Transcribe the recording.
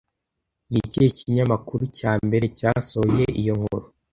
Ni ikihe kinyamakuru cya mbere cyasohoye iyo nkuru